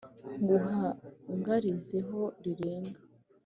Nguhangarize ho rirenge